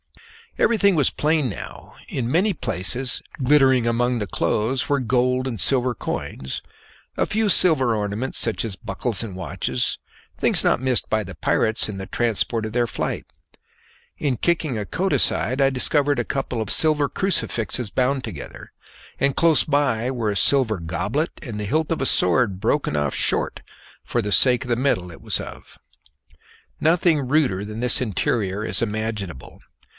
Everything was plain now. In many places, glittering among the clothes, were gold and silver coins, a few silver ornaments such as buckles, and watches things not missed by the pirates in the transport of their flight. In kicking a coat aside I discovered a couple of silver crucifixes bound together, and close by were a silver goblet and the hilt of a sword broken short off for the sake of the metal it was of. Nothing ruder than this interior is imaginable.